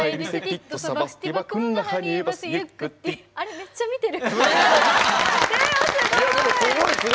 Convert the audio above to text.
めっちゃ見てる。